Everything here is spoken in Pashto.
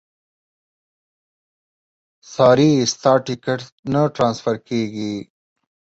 ساري ستا ټیکټ نه ټرانسفر کېږي.